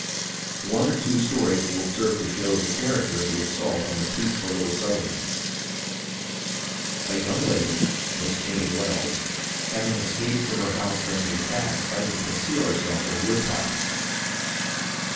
One or two stories will serve to show the character of the assault on the peaceful little settlement. A young lady (Miss Jane Wells) having escaped from her house during the attack, tried to conceal herself in a woodpile.